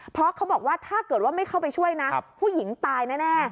เพราะเขาบอกว่าถ้าเกิดว่าไม่เข้าไปช่วยนะผู้หญิงตายแน่